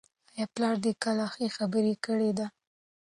آیا پلار دې کله ښه خبره کړې ده؟